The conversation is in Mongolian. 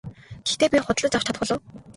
Гэхдээ би худалдаж авч чадах болов уу?